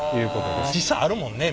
実際あるもんね。